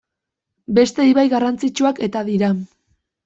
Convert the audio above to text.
Beste ibai garrantzitsuak eta dira.